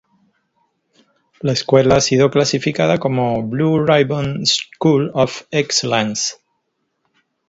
La escuela ha sido clasificada como "Blue Ribbon School of Excellence".